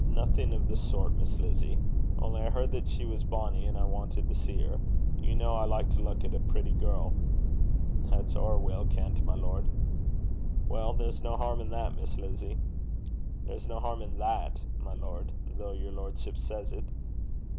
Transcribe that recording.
Nothing of the sort, Miss Lizzie. Only I heard that she was bonnie, and I wanted to see her. You know I like to look at a pretty girl.' 'That's ower weel kent, my lord.' 'Well, there's no harm in that, Miss Lizzie.' 'There's no harm in that, my lord, though yer lordship says 't.'